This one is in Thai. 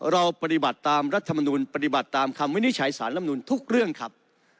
เราปฏิบัติตามรัฐมนุนปฏิบัติตามคำวินิจฉัยสารลำนูนทุกเรื่องครับ